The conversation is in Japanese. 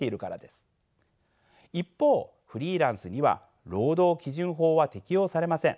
一方フリーランスには労働基準法は適用されません。